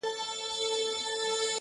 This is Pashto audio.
اوس يــې آهـونـــه په واوښتـل،